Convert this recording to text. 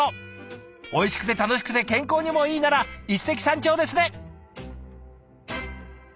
おいしくて楽しくて健康にもいいなら一石三鳥ですね！